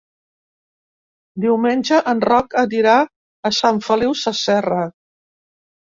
Diumenge en Roc anirà a Sant Feliu Sasserra.